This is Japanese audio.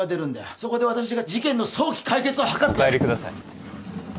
そこで私が事件の早期解決を図ってお帰りください